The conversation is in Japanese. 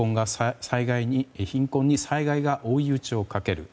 貧困に災害が追い打ちをかける。